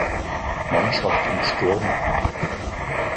Mannschaft im Sturm.